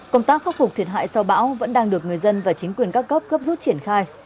công tác phát phục thiệt hại sau bão vẫn đang được người dân và chính quyền các góp gấp rút triển khai